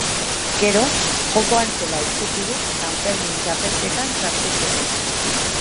Gero, jokoan zela ikusirik, San Fermin txapelketan sartu zuten.